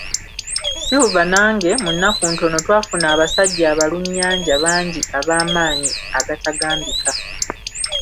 Silver nange, mu nnaku ntono, twafuna abasajja abalunnyanja bangi ab'amaanyi agatagambika.